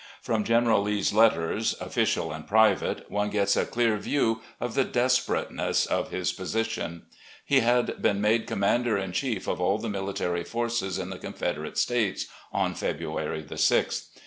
From General Lee's letters, official and private, one gets a dear view of the desperateness of his position. He had been made commander in chief of all the military forces in the Confederate States on February 6th.